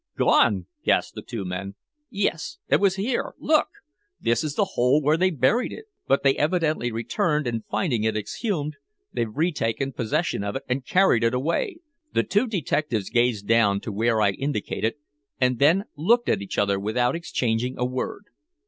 "Gone!" gasped the two men. "Yes. It was here. Look! this is the hole where they buried it! But they evidently returned, and finding it exhumed, they've retaken possession of it and carried it away!" The two detectives gazed down to where I indicated, and then looked at each other without exchanging a word.